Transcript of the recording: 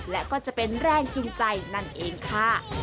และก็จะเป็นแรงจูงใจนั่นเองค่ะ